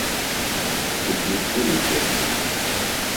Дык ніхто не хоча.